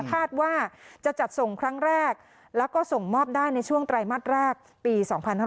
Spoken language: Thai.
คาดว่าจะจัดส่งครั้งแรกแล้วก็ส่งมอบได้ในช่วงไตรมาสแรกปี๒๕๕๙